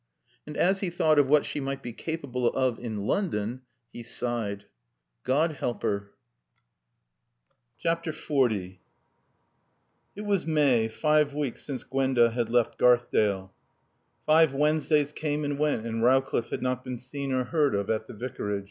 And as he thought of what she might be capable of in London, he sighed, "God help her!" XL It was May, five weeks since Gwenda had left Garthdale. Five Wednesdays came and went and Rowcliffe had not been seen or heard of at the Vicarage.